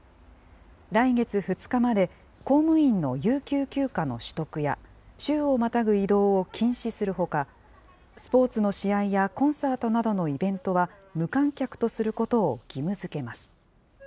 来月２日まで、公務員の有給休暇の取得や、州をまたぐ移動を禁止するほか、スポーツの試合やコンサートなどのイベントは、無観客とすることを義務づけます。